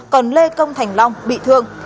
còn lê công thành long bị thương